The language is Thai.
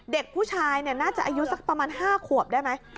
เด็กผู้ชายน่าจะอายุสักประมาณ๕ขวบได้ไหม